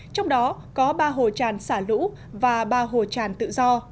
trong đó có ba hồ tràn xả lũ và ba hồ tràn tự do